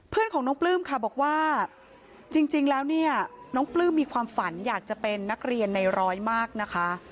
เพื่อนของน้องปลื้มค่ะบอกว่าจริงแล้วเนี่ยน้องปลื้มมีความฝันอยากจะเป็นนักเรียนในร้อยมากนะคะ